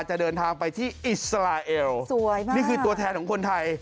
จะเดินทางไปที่อิสราเอลสวยมากนี่คือตัวแทนของคนไทย